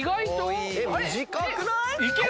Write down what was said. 短くない？